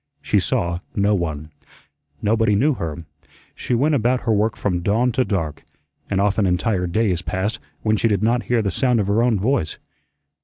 She saw no one. Nobody knew her. She went about her work from dawn to dark, and often entire days passed when she did not hear the sound of her own voice.